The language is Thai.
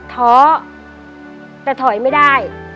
ท้อแต่ถอยไม่ได้